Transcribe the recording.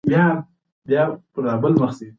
انسان کولای شي ځمکه وژغوري.